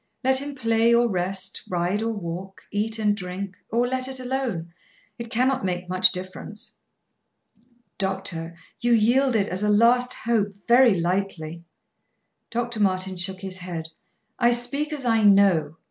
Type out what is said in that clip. Let him play or rest, ride or walk, eat and drink, or let it alone; it cannot make much difference." "Doctor! You yield it, as a last hope, very lightly." Dr. Martin shook his head. "I speak as I know.